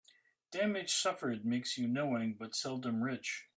Damage suffered makes you knowing, but seldom rich.